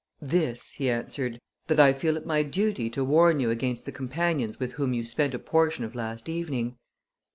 "This," he answered, "that I feel it my duty to warn you against the companions with whom you spent a portion of last evening."